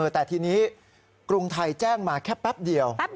แต่ทีนี้กรุงไทยแจ้งมาแค่แป๊บเดียว